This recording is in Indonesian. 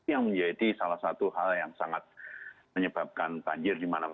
yang menjadi salah satu hal yang sangat menyebabkan banjir